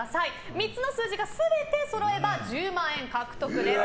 ３つの数字が全てそろえば１０万円獲得です。